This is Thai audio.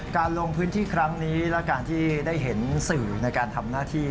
ลงพื้นที่ครั้งนี้และการที่ได้เห็นสื่อในการทำหน้าที่